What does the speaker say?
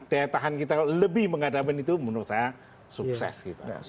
daya tahan kita lebih menghadapi itu menurut saya sukses gitu